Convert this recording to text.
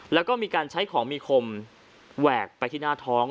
แล้วก็มีการใช้ของมีคมแหวกไปที่หน้าท้อง